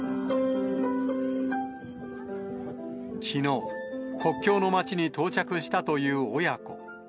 きのう、国境の町に到着したという親子。